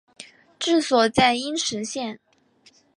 治所在阴石县。